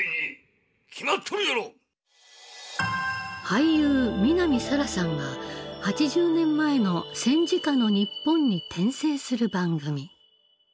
俳優南沙良さんが８０年前の戦時下の日本に転生する番組。